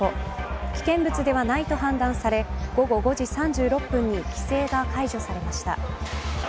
危険物ではないと判断され午後５時３６分に規制が解除されました。